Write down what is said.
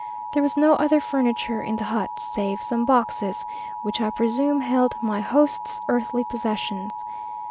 There was no other furniture in the hut save some boxes, which I presume held my host's earthly possessions.